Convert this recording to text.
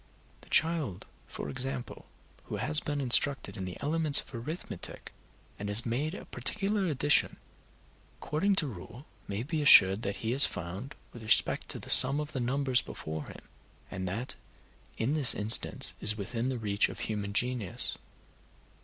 The child, for example, who has been instructed in the elements of arithmetic, and has made a particular addition, according to rule, may be assured that he has found, with respect to the sum of the numbers before him, and that in this instance is within the reach of human genius.